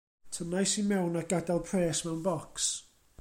Tynnais i mewn a gadael pres mewn bocs.